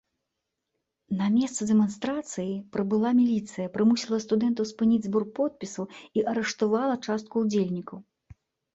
На месца дэманстрацыя прыбыла міліцыя, прымусіла студэнтаў спыніць збор подпісаў і арыштавала частку ўдзельнікаў.